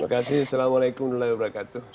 terima kasih assalamualaikum warahmatullahi wabarakatuh